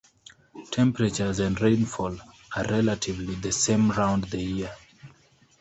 Temperatures and rainfall are relatively the same round the year.